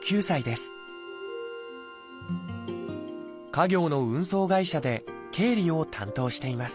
家業の運送会社で経理を担当しています